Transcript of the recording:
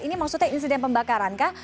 ini maksudnya insiden pembakaran kah